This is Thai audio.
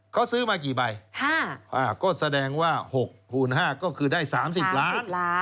เขาซื้อมากี่ใบ๕ก็แสดงว่า๖คูณ๕ก็คือได้๓๐ล้าน